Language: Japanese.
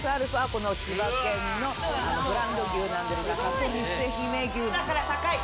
この千葉県のブランド牛なんですが里見伏姫牛だから高い！